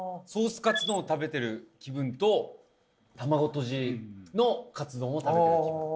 カツ丼を食べてる気分と卵とじのカツ丼を食べてる気分